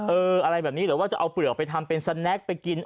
อะไรแบบนี้หรือว่าจะเอาเปลือกไปทำเป็นสแนคไปกิน